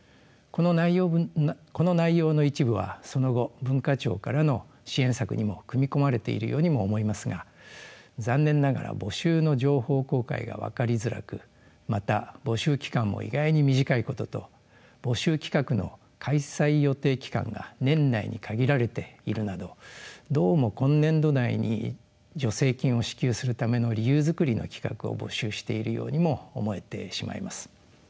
この内容の一部はその後文化庁からの支援策にも組み込まれているようにも思いますが残念ながら募集の情報公開が分かりづらくまた募集期間も意外に短いことと募集企画の開催予定期間が年内に限られているなどどうも今年度内に助成金を支給するための理由作りの企画を募集しているようにも思えてしまいます。